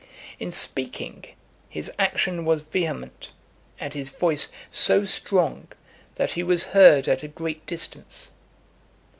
In speaking, his action was vehement, and his voice so strong, that he was heard at a great distance.